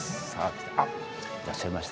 あっいらっしゃいました。